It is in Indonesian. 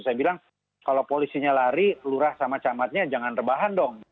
saya bilang kalau polisinya lari lurah sama camatnya jangan rebahan dong